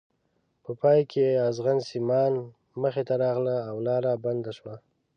په پای کې ازغن سیمان مخې ته راغله او لاره بنده شوه.